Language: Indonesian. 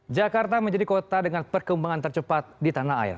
jakarta menjadi kota dengan perkembangan tercepat di tanah air